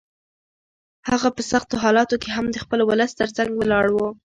هغه په سختو حالاتو کې هم د خپل ولس تر څنګ ولاړ و.